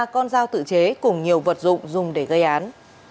ba con dao tự chế cùng nhiều vật dụng dùng để gây án